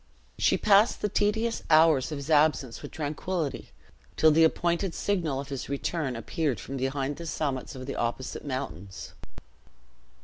She passed the tedious hours of his absence with tranquillity, till the appointed signal of his return appeared from behind the summits of the opposite mountains.